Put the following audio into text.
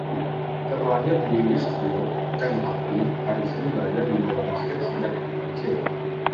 Terlahir di Louisville, Kentucky, Harrison belajar bola basket sejak kecil.